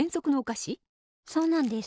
そうなんです。